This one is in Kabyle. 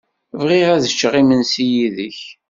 Bɣiɣ ad ččeɣ imensi yid-k.